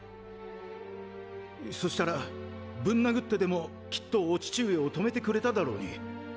そしたらぶん殴ってでもきっとお父上を止めてくれただろうに。